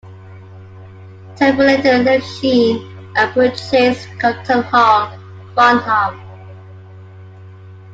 Temple later left Sheen and purchased Compton Hall, Farnham.